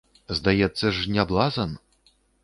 Здаецца ж, не блазан.